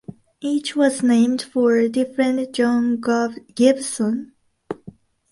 Each was named for a different John Gibson.